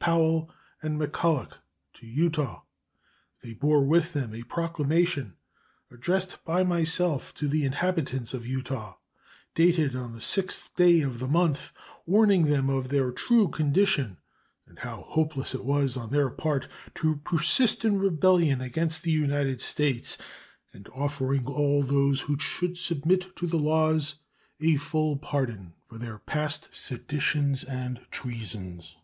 Powell and McCulloch, to Utah. They bore with them a proclamation addressed by myself to the inhabitants of Utah, dated on the 6th day of that month, warning them of their true condition and how hopeless it was on their part to persist in rebellion against the United States, and offering all those who should submit to the laws a full pardon for their past seditions and treasons.